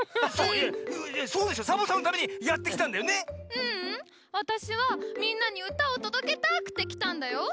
ううん。わたしはみんなにうたをとどけたくてきたんだよ。